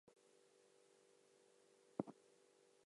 His influence extends abroad too.